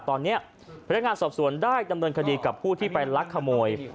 ตอนนี้พนักงานสอบสวนได้ดำเนินคดีกับผู้ที่ไปลักขโมย